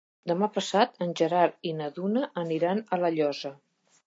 Demà passat en Gerard i na Duna aniran a La Llosa.